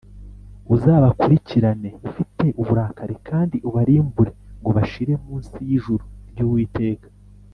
Uzabakurikirane ufite uburakari, Kandi ubarimbure ngo bashire munsi y’ijuru ry’Uwiteka.